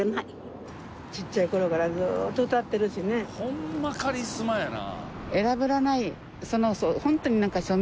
「ホンマカリスマやな」